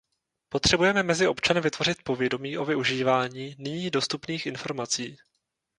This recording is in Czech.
Potřebujeme mezi občany vytvořit povědomí o využívání nyní dostupných informací.